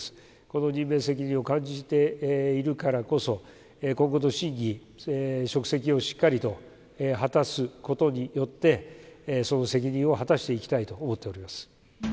この任命責任を感じているからこそ、今後の審議、職責をしっかりと果たすことによって、その責任を果たしていきたいと思っております。